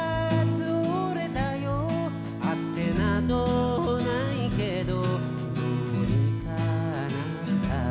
「あてなどないけどどうにかなるさ」